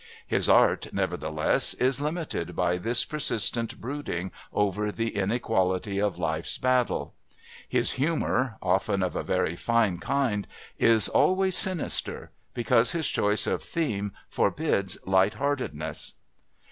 His art, nevertheless, is limited by this persistent brooding over the inequality of life's battle. His humour, often of a very fine kind, is always sinister, because his choice of theme forbids light heartedness.